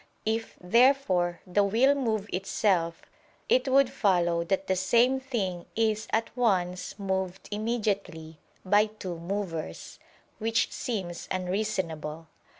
If, therefore, the will move itself, it would follow that the same thing is at once moved immediately by two movers; which seems unreasonable.